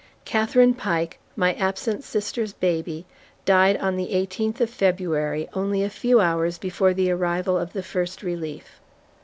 Catherine Pike, my absent sister's baby, died on the eighteenth of February, only a few hours before the arrival of the First Relief.